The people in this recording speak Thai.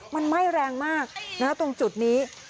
มันไหม้แรงมากตรงจุดนี้